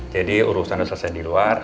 jadi urusan udah selesai di luar